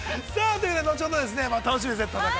後ほど楽しみですね。